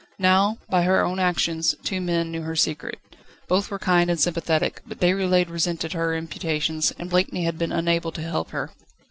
Now, by her own actions, two men knew her secret. Both were kind and sympathetic; but Déroulède resented her imputations, and Blakeney had been unable to help her.